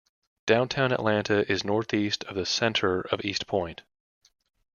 Downtown Atlanta is northeast of the center of East Point.